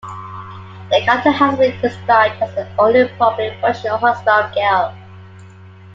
The character has been described as the "only properly functional husband" of Gail.